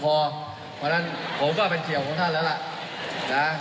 เพราะฉะนั้นผมก็เป็นเสียงของท่านแล้วล่ะ